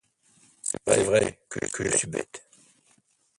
C'est vrai, que je suis bête!